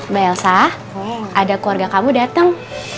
mbak elsa ada keluarga kamu datang